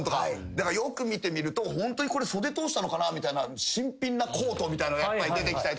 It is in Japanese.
だからよく見てみるとホントにこれ袖通したのかなみたいな新品なコートみたいなの出てきたりとかすると。